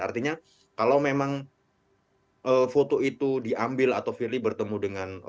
artinya kalau memang foto itu diambil atau firly bertemu dengan